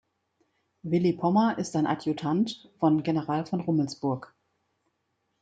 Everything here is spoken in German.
Willi Pommer ist ein Adjutant von General von Rummelsburg.